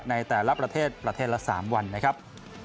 ในแต่ละประเทศประเทศละ๓วันนะครับ